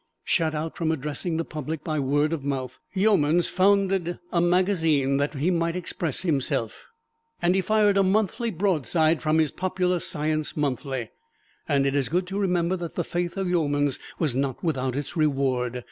Shut out from addressing the public by word of mouth, Youmans founded a magazine that he might express himself, and he fired a monthly broadside from his "Popular Science Monthly." And it is good to remember that the faith of Youmans was not without its reward.